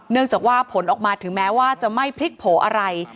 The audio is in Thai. เนื่องจากว่าผลออกมาถึงแม้ว่าจะไม่พลิกโผล่อะไร